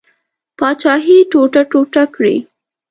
پاچهي ټوټه ټوټه کړي.